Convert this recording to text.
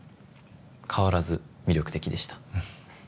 変わらず魅力的でした